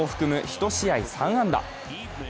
１試合３安打。